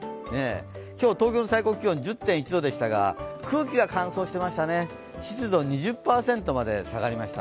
今日、東京の最高気温１０．１度でしたが、空気が乾燥していましたね、湿度２０％まで下がりました。